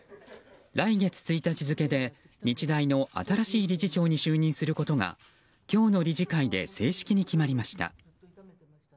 来月１日付で日大の新しい理事長に就任することが今日の理事会で正式に決まりました。